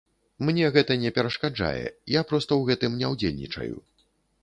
Мне гэта не перашкаджае, я проста ў гэтым не ўдзельнічаю.